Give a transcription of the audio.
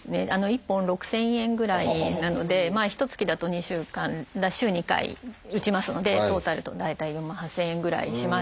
１本６，０００円ぐらいなのでひとつきだと週２回打ちますのでトータルだと大体４万８，０００円ぐらいしますね。